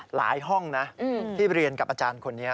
ห้องนะที่เรียนกับอาจารย์คนนี้